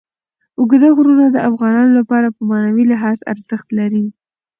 اوږده غرونه د افغانانو لپاره په معنوي لحاظ ارزښت لري.